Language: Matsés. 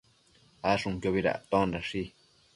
Ashunquiobi dactondashi